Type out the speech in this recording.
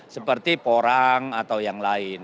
seperti porang atau yang lain